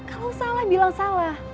kalau salah bilang salah